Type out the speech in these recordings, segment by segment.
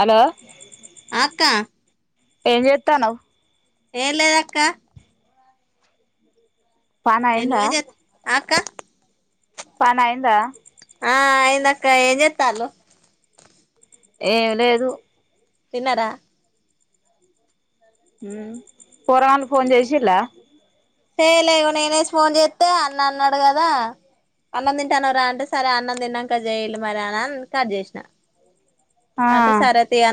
Hello ఆ అక్క ఏం జేతానావు ఏం లేదక్కా పని అయిందా నువ్వేం జేతన్నావ్ పానాయందా ఆ అయిందక్క ఏం జేత్తాలు ఏమి లేదు తిన్నారా పోరంగల్లు ఫోన్ చేసిల్ల చేయాలే ఇగో నేనే ఫోన్ చేస్తే అన్న అన్నాడు కదా అన్నం తింటానురా అంటే సరే అన్నం తిన్నాక చేయలే మరి అన్న అ కట్ చేసిన ఆ అంట సరది అ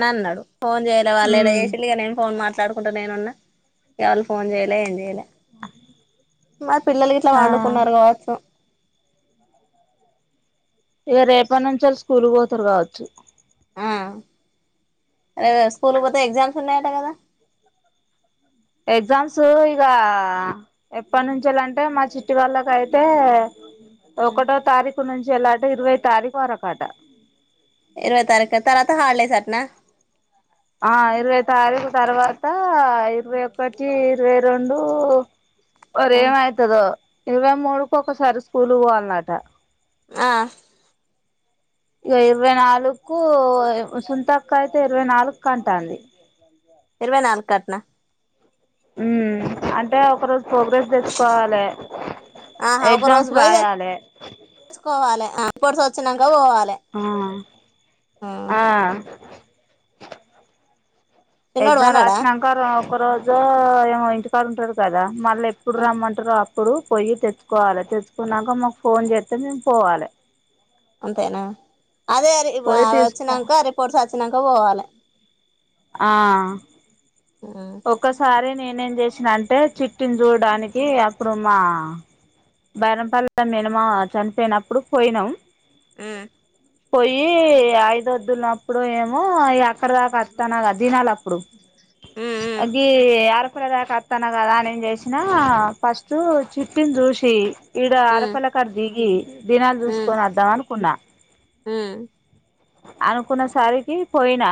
అ అన్నాడు ఫోన్ చేయలే వాళ్ళు ఎలా ఉమ్ చేససిగా నేను ఫోన్ మతాను మాట్లాడుకుంటా నేను ఉన్నా ఇవాళ్ళు ఫోన్ చేయలే ఏం చేయలే అ మరి పిల్లలు ఇట్లా వండుకున్నారు కావచ్చు ఇక రేపటి నుంచి వాళ్ స్కూల్ పోతారు కావచ్చు ఆ అరే స్కూల్ పోతే ఎగ్జామ్స్ ఉన్నాయట కదా ఎగ్జామ్స్ ఇక ఎప్పటి నుంచాలంటే మా చిట్టి వాళ్ళక అయితే ఒకటో తారీఖు నుంచి ఎలాట ఇరవై తారీఖు వరకట ఇరవై తారఖ తర్వాత హడలే సార్నా ఆ ఇరవై తారీఖు తర్వాత ఇరవై ఒకటి ఇరవై రెండు వరేమవుతుందో ఇరవై మూడుకు ఒకసారి స్కూల్ పోవాలన్నట ఆ ఇక ఇరవై నాలుకు సుంతక్క అయితే ఇరవై నాలుక్ అంటాంది ఇరవై నాలుకట్నా ఉ అంటే ఒక రోజు ప్రోగ్రెస్ తెచ్చుకోవాలి ఆహా ఒక రోజు పోయిసుకోవాలికోటి వచ్చినక ఆ ఆ చిన్నోడు ఎగ్జామ్ పన్నాడా రాసినాంక ఒక రోజు ఏమో ఇంటికాడు ఉంటారు కదా మళ్ళీ ఎప్పుడు రమ్మంటారు ఇప్పుడు పోయి తెచ్చుకోవాలి తెచ్చుకున్నాక మాకు ఫోన్ చేస్తే మేము పోవాలి అంతేనా అదే పోయి తీసుకో వచ్చినాక రిపోర్ట్స్ వచ్చాక పోవాలి ఆ ఒసారి నే నన్నం చేసినంటే చిట్టిని చూడడానికి అప్పుడు మా బరంపల్ మేనమా చనిపోయినప్పుడు పోయినాం ఆ పోయి ఐదు వద్దున్నప్పుడు ఏమో ఎక్కడ దాకా వస్తనగా తినాలి అప్పుడు అది ఆరకుడదకస్తానా కదా అని ఏం చేసినా ఫస్ట్ చట్టింది చూసి ఈడ అరపిల కారు దిగి దినాలు చూసుకొని వద్దాం అనుకున్నా ఆ అనుకున్నసరికి పోయినా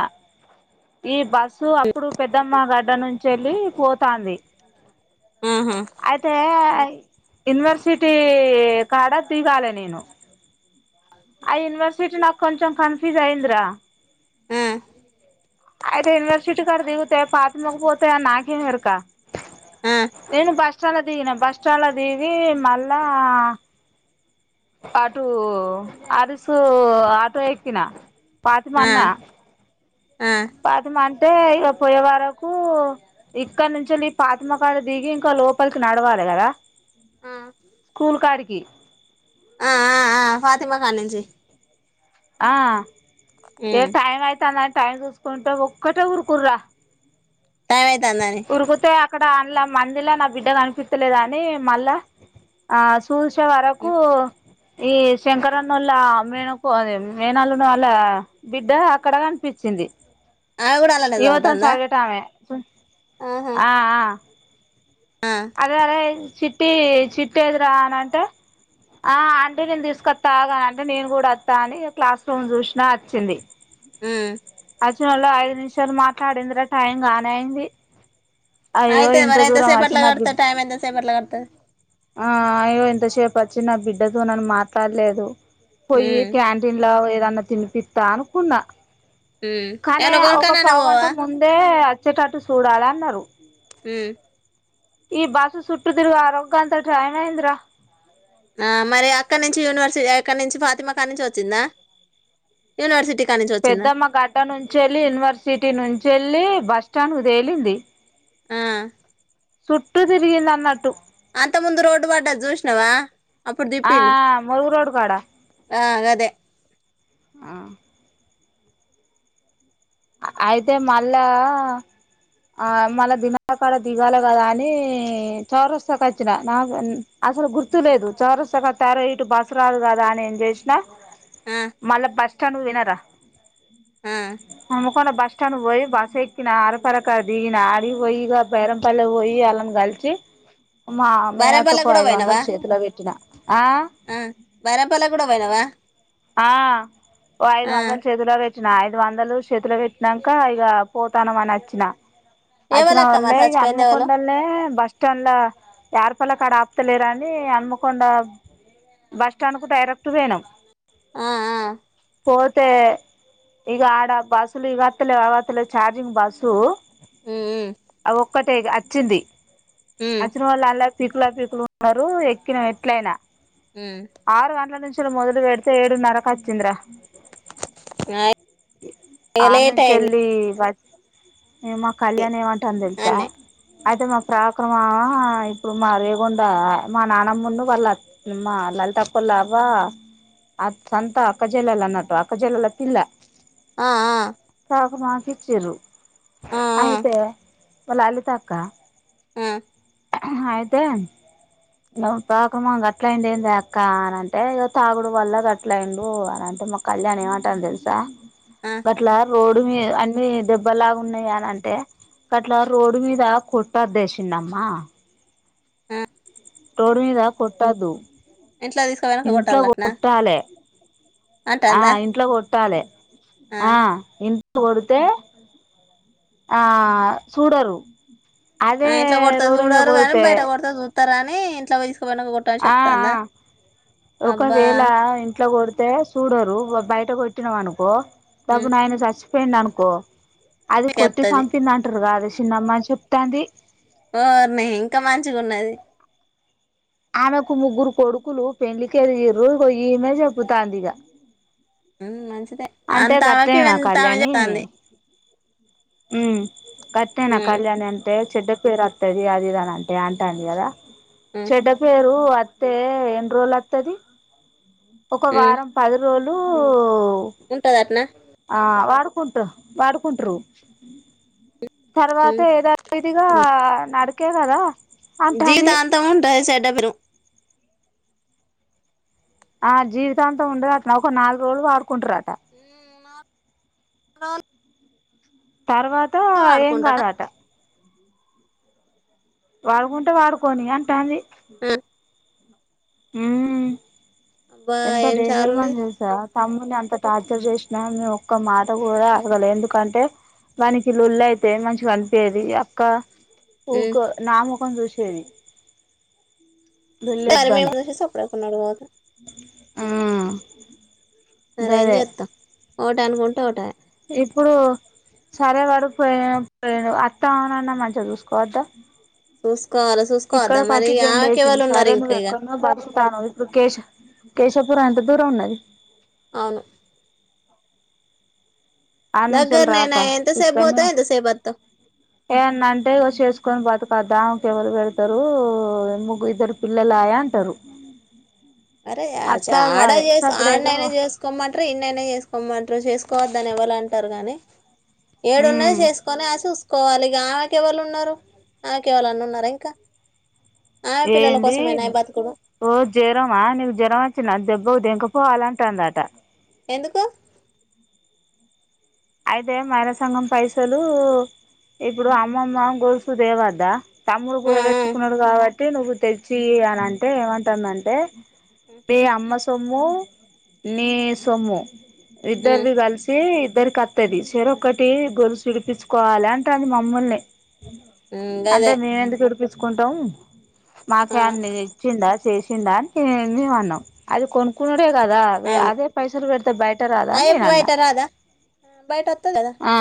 ఈ బస్సు అప్పుడు పెద్దమ్మ గ ఇడ నుంచి వెళ్ళి పోతుంది అయితే యూనివర్సిటీ కార్డ తీగాలి నేను ఆ యూనివర్సిటీ నకంచం ఫీజ అయింద ఆయితే ఎషటీ కర్దు పాత్ మగపోతే నాకర్కా నేను బాస్ బస్ల దిగి న బస్ స్టాాల దిగి మళ్ళా ఆటూ అరిసు ఆటో ఎతనా పాదిమాన్నా పాదమాన్ అయితే ఇక పోయే వరకు ఇక్కడ నుంచి పాతమకాయ దిగి ఇంకా లోపలికి నడవాలి గారా ఆ పుల్కకి ఆ ఆ ఆ ఫాతిమ కా నుంచి ఆ తె టైమయితేనా టైన్ చూసుకుంటా ఒక్కటే ఉఊరుకుర్రా సామైతాందని అక్కడ అందు మందిలా నా బిడ్డ కనిపించలేదు అని మళ్ళా ఆ చూల్చే వరకు ఈ శంకరన్నళ్ళ మేనకు మేనాఅల్లుని వల్ల బిడ్డ అక్కడ కనిపిస్తు చింది ఆమె కూడా అలానే ఇమీతోనే చదువుతుందా సద్వేటమే ఆహా ఆ ఆ అదే అదే చిట్టి చిట్టి ఎదీరా అని అంటే ఆ ఆంటీ నేను తీసుకొస్తాగా అంటే నేను కూడా వస్తా అని క్లాస్ రూమ్ చూసినా వచ్చింది హుమ్మ్ అచినోల్లే ఐదు నిమిషాలు మాట్లాడిందిరా టైం గానే అయింది అయ్యో ఇంత దూరం అ ట్లా కత టైమ్ ఎంత సేపట్ల గడుస్తాది ఆ అయ్యో ఇంతసేపు వచ్చి నా బిడ్డతో నన్నని మాట్లాడలేదు పోయి కడుతుంది క్యాంటీన్ లా దన్న తినిపిస్తా అనుకున్నా ఉమ్ కానీ ఏమన్నా ఒక కొనుక్కనన్న పావుగంట పోవా ముందే వచ్చేటటు చూడాలి అన్నారు హుమ్మ్ ఈ బస్సు సుట్టు తిరగ రొంకంత టైమ్ అయిందిరా ఆ మరి అక్కడ నుంచి యూనివర్సిటీ అక్కడి నుంచి ఫాతిమ అక్కడ నుంచి వచ్చిందా యనివర్సిటీ పెద్దమ్మ గడ్డ నుంచెల్లి యూనివర్సిటీ నుంచెల్లి బస్ స్టాండ్ ఉ తేలింది ఆ చుట్టూ తిరిగిందన్నట్టు అంత ముందు రోడ్డు పడ్డది చూసినవా ఆ మరుగు రోడ్కోడా ఆ గదే ఆ అయితే మళ్ళా ఆ మళ్ళా దినకాడ దిగాాల కదా అని చౌరస్తా వచ్చిన నాకు అసలు గుర్తులేదు చౌరస్తా అరె ఇటు బస్ రాదు కదా అని ఏం చేసినా ఆ మళ బస్ స్టాండ్ కు దినార ఆ హనుమకొండ బస్ స్టాండ్కు పోయి బస్ ఎక్కిన ఆర పరకది నాడిగి పోయిక బేరం పల్ల పోయి అలా కలసి మా మేనత్త బైరంపల్లికి ఒక కూడా ఐదు వందలు పోయినావా చేతిలో పెట్టిన ఆ ఆ వరంపలే కూడా పోయినవ ఆ ఓ ఐదు వందాలు చేతుల వచ్చ ఐదు వందలు చేతులో పెట్టినాక ఇక పోతాన అని వచ్చినా ఎవలక్క మరి అచినమొల్లె ఈ చచ్చిపోయింది ఎవలు అనుమకండనే బస్ స్టాండ్ల ఏర్పల్లి కాడ ఆపుతలేరా అని అన్మకొండ బస్ స్టాండ్ కు డైరెక్ట్ వేనాం ఆ ఆ పో తే ఈగ ఆడ బస్సులు ఇగ అట్టలేవ్ ఆగ అట్టలేవ్ చార్జింగ్ బస్సు ఉమ్ ఉమ్ అ ఒక్కటే వచ్చింది ఉమ్ వచ్చిన వాళ్ళ అలా పీకులా పీకులు ఉన్నారు ఎక్కిన ఎట్లయినా ఉమ్ ఆరు గంటల నుంచి మొదలు పెడు ఏడు నరకు హచ్చింద్ర ఆ ఇగ లేట్ అయింది అనుంచెల్లి ఏ మా కళ్యాణ ఏమంటాఅంది తెలుసా అన్నే అయితే మా ప్రాక్రమా ఇప్పుడు మా రేగుొంండ మా నానమ్మం వాళ్ళుమా అల్ తప్పల్ల అవ్వ అ సంత అక్కజల ఎలా అన్నట్టు అక్కజల ఎలా తిల్ల ఆ ఆ క మచిండ్లు ఆ ఆ అయితే మా లలిత అక్క హ్మ్మ్ అయితేా కాకమల్లు అట్ల అయిండేందే అక్క అని అంటే ఇగ తాగుడు వల్ల అట్లాండు అ అంటే మా కళ్యాణ్ ఏమంటా తెలుసా ఆ అట్లా రోజ ఇప్పుడు మీ అన్నిీ దెబ్బలాగా ఉన్నాయి అని అంటే అట్లా రోడ్ మీద కొట్టాట్టేసిందమ్మా ఆ రోడ్డు మీద కొట్టదు ఇంట్లో తీసుకపోయినంక ఇంట్లో కొట్టాలటనా కొట్టాలె ఆ అంటాందా ఇంట్లో కొట్టాలె ఆ ఇంట్ కొడితే ఆ సూడరు ఆ అదే రోడ్డు మీద కొడితే తరాని ఇంట్ల పోయ్ ఆ ఆ అబ్బా ఒకవేళ ఇంట్లో కొడితే సూడరు ఓ బయట కొట్టినాం అనుకో తగు ఉమ్, నాయన చచ్చిపోయిండనుకో అది కొట్టి ఎత్తది చంపిందంటరుగా ఉంటుంది చిన్నమ్మ చెప్తంది ఓర్నీ ఇంకా మంచిగున్నది ఆమెకు ముగ్గురు కొడుకులు పెండ్లికెదిగిర్రు ఇగో ఈమె చెపుతాంది ఇగ అంటే అంతావకి గట్నేనా ఇంతావ చేత్తంది ఉ గట్టేనా ఉమ్, కళ్యాణి అంతే చెడ్డ పేరు వత్తది అదిదాని అంటే అంటాంది కదా ఉమ్, ఇపుడు అత్తే ఎన్ని రోజులోత్తది ఒక ఉమ్, వారం పది రోజులు ఉంటది అట్నా ఆ వారు కుంట్రు వాడుకుంట్రు తర్వాత ఉమ్. యధావిధిగా నడకే కదా అంటాంది జీవితాంతము ఉంటది సెటపిను ఆ జీవితాంతం ఉండదు అట ఒక నాలుగు రోజులు వాడుకుంటరట నాల్ తర్వాత ఏం కాదట వాడుకుంటే వాడుకోని అంటాంది ఆ హ్మ్ అబ్బా ఎంత ఏం డేంజర్ చాలు మని ఉన్నది తెల్సా తమ్ముని అంత టార్చర్ చేసినా ఆమె ఒక్క మాట కూడా అడగలే ఎందుకంటే వానికి లొల్లయితే మంచిగనిపీయది అక్క ఉమ్, ఊకో నా ముఖం చూసేది లొల్లి వద్దని గరిమేమి సప్పుడవుతున్నాడు కాక మ్మ్ మరేం చేత్తం ఒకటనుకుంటే ఒకటాయ ఇప్పుడు సరే వాడు పోయిన పోయిర్రు అత్తమామ నన్న మంచిగా చూసుకోవద్దా చూసుకోవాలి ఇక్కడ చూసుకోవద్దా మరి పట్టు ఆమెకి జనరేషన్ ఎవరు ఉన్నారు సరే నువ్వు ఇంకా ఇక ఎక్కడనో బతుకుతానవ్ ఇప్పుడు కేశ కేశ్ తొపుర దూరం ఉన్నది అవును ఆన్నుంచెల్లి దగ్గరనేనా రాక ఎంతసేపు ఇక్కన్ను పోతావు ఎంతసేపు వత్తావ్ ఏమన్నంటే అంటే ఇగో చేసుకొని బతుకు పద్దామ కెవరు పెడ్తరు ముగ్గు ఇద్దరు పిల్లలాయ అంటరు అరే ఆడ చే సప్పుడేకా ఆనైనా చేసుకోమంటరు ఇన్నైనా చేసుకోమం ట్రు చేసుకోవద్దాని ఎవలంటరు గాని ఏడున్నా ఉమ్ చేసుకొని ఆ చూసు కోవాలి ఇగ ఆమెకు ఎవాళ్ళున్నారు ఆమెకు ఎవలునున్నరా ఇంక ఏంది ఓ జెరమా జ్వరం వచ్చిన దెబ్బవుదు దెంక పోవాలంటందాట ఎందుకు అయితే మైల సంగం పైసలు ఇప్పుడు అమ్మమ్మ గొలుసు దేవద్దా తమ్ముడు ఆ ఆ కుడపెట్టుకున్నడు కాబట్టి నువ్వు తెచ్చి యాలంటే ఏమంటాందంటే పే అమ్మ సొమ్ము నీ సొమ్ము ఉమ్ ఇద్దరది గల్సి ఇద్దర కత్తి ది సర ఒకక్కటి గొలు విడిపించుకోవాలి అంటారు అంది మమ్మల్ని ఉమ్ అంటే గదే మేము ఎందుకు చరిపించుకుంటాం మాక ఆ అన్ని ఇచ్చిందా చేసిండ అని త అన్నాం అది కొనుకున్న బేగదా అవును అదే పైసలు పెడితే బయటర్ అదా అని అయ్య నేను అన్న బయట రాదా బయట వత్తది కదా ఆ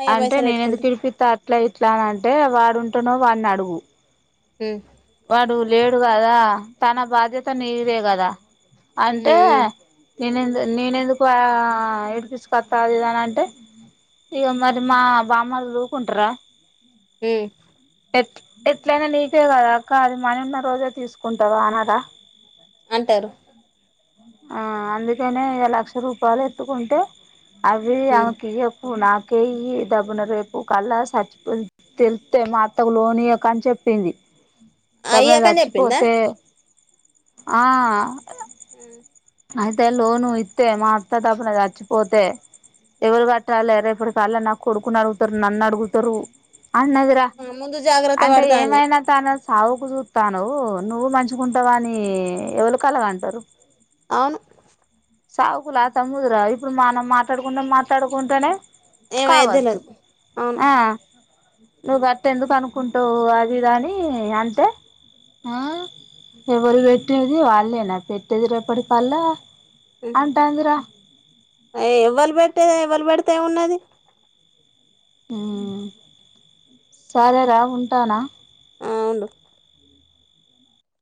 అయ్య అంటే పైసలు నేనెందుకు పెట్టుకుంటూ తిడిపిస్త ఇట్లా ఇట్లా అని అంటే వాడుంటానో వాడిని అడుగు హ అడు లేడు కదా తన బాధ్యత నీరే కదా ఉమ్ అంటే ఉమ్ నేనెందు నేనెందుకు ఏడిపిసుకొస్తాది ఇదని అంటే ఇగ మరి మా బామ్మలు ఊరుకుంటార హ ఎట్ ఎట్లయినా నీటే కదా అక్క అది మన ఉన్న రోజే తీసుకుంటావా అనార అంటారు ఆ అందుకనే ఇ లక్ష రూపాయలు ఎత్తుకుంటే అవి ఉమ్ ఆమెకి నాకే ఈ దడబ్బున రేపు కల్లా సచ్చిపో తెస్తతే మా అత్తకు లోనియక అని చెప్పింది తప్పుడ అయ్యాకని చెప్పిందా వచ్చిపోతే ఆ అ అయితే లోను ఇస్తే మా అత్త తప్పునది చచ్చిపోతే ఎవరు కట్టాలి రేపు ఇప్పటికళ్ల నాకు కొడుకుని అడుగుతారు నన్ను అడుగుతారు అన్నదురా ముందు జాగ్రత్త అంటే పడతాంది ఏమైనా తన సాగుకు చూస్తాను నువ్వు మంచకుంటావ అని ఎవరు కలగ అంటారు అమ్ సాగుకులా తమ్ముదురా ఇప్పుడు మనం మాట్లాడుకుంటే మాట్లాడుకుంటేనే ఏమయ్యేది కావచ్చు తెల్వదు అవును ఆ నువ్వు అత ఎందుకు అనుకుంటావు అది దాని అంతే ఆ ఎవరు పెట్టేది వాళ్ళేనా పెట్టేది రేపటి పల్లా అ ఎవ్వలు పెడితే ఎవ్వలు పెడితే ఉన్నది హ సరేరా ఉంటానా వును